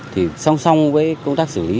thì song song với công tác xử lý